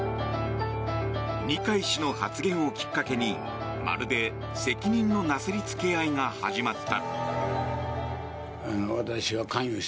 二階氏の発言をきっかけにまるで責任のなすりつけ合いが始まった。